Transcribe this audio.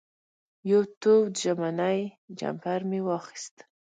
یو تود ژمنی جمپر مې واخېست.